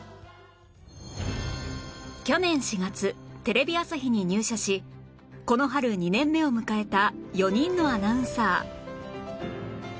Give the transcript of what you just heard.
去年４月テレビ朝日に入社しこの春２年目を迎えた４人のアナウンサー